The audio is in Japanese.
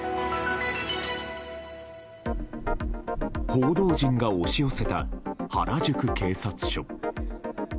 報道陣が押し寄せた原宿警察署。